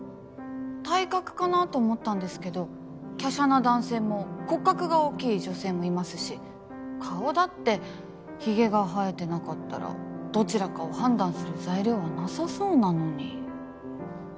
体格かなと思ったんですけどきゃしゃな男性も骨格が大きい女性もいますし顔だってひげが生えてなかったらどちらかを判断する材料はなさそうなのに。